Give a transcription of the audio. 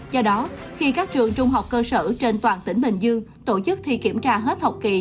do đó khi các trường trung học cơ sở trên toàn tỉnh bình dương tổ chức thi kiểm tra hết học kỳ